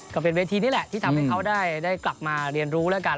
ก็เป็นเวทีนี้แหละที่ทำให้เขาได้กลับมาเรียนรู้แล้วกัน